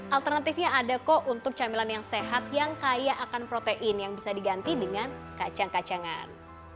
alternatifnya ada kok untuk camilan yang sehat yang kaya akan protein yang bisa diganti dengan kacang kacangan